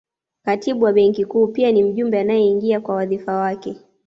Katibu wa Benki Kuu pia ni mjumbe anayeingia kwa wadhifa wake